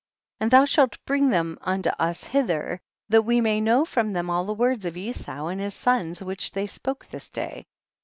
58. And thou shalt bring them unto us hither, that we may know from them all the words of Esau and his sons which they spoke this day.